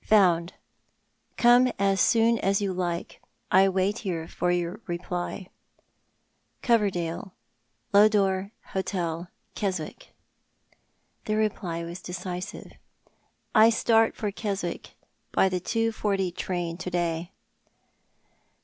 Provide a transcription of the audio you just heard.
" Found. Come as soon as you like. I wait here for your reply. — Coverdale, Lodore Hotel, Keswick." The reply was decisive —" I start for Keswick by the 2.40 train to day."